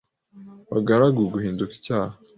bagaragu gihinduka icyaha